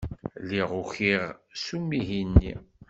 Lliɣ ukiɣ s umihi-nni.